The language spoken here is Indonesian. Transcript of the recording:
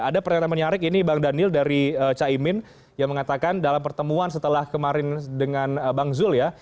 ada pernyataan menarik ini bang daniel dari caimin yang mengatakan dalam pertemuan setelah kemarin dengan bang zul ya